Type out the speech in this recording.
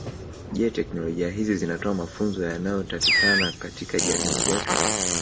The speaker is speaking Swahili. Je teknolojia hizi zinatoa mafunzo yanayotakikana katika jamii zetu